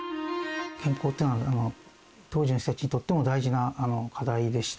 健康というのは当時の人たちにとっても大事な課題でした。